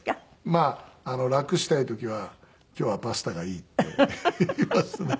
まあ楽したい時は「今日はパスタがいい」って言いますね。